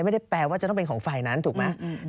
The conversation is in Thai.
ไม่ได้แปลว่าจะต้องเป็นของฝ่ายนั้นถูกไหม